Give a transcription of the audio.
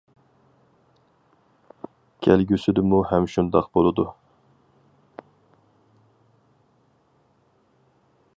كەلگۈسىدىمۇ ھەم شۇنداق بولىدۇ.